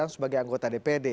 sebagai anggota dpd